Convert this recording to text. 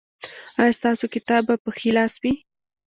ایا ستاسو کتاب به په ښي لاس وي؟